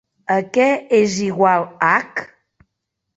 A què és igual h?